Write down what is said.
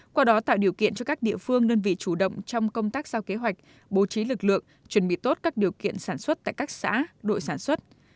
qua đó tạo điều kiện cho các địa phương đơn vị chủ động trong công tác giao kế hoạch bố trí lực lượng chuẩn bị tốt các điều kiện sản xuất tại các xã đội sản xuất